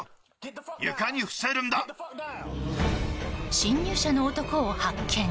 侵入者の男を発見！